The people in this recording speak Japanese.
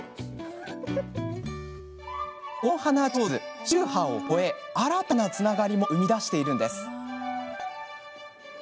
この花手水、宗派を越え新たなつながりも生み出しているんです。